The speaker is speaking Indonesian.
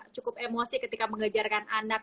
cukup emosi ketika mengejarkan anak